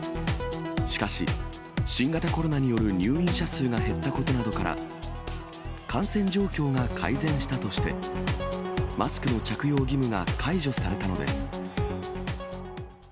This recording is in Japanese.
しかし、新型コロナによる入院者数が減ったことなどから、感染状況が改善したとして、マスクの着用義務が解除されたのです。